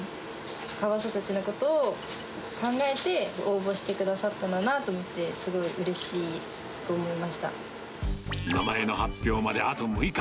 カワウソたちのことを考えて、応募してくださったんだなぁと思って、すごいうれしいと思いまし名前の発表まであと６日。